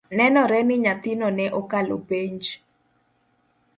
Nenore ni nyathinino ne okalo penj